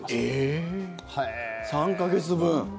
えー？３か月分。